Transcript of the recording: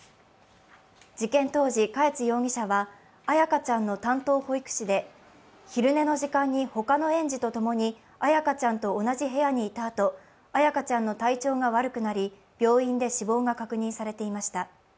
事件当時、嘉悦容疑者は彩花ちゃんの担当保育士で昼寝の時間に他の園児と共に彩花ちゃんと同じ部屋にいたあと、彩花ちゃんの体調が悪くなり病院で死亡が確認されていました。